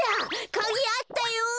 カギあったよ！